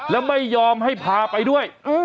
แล้วไม่ยอมให้พาไปด้วย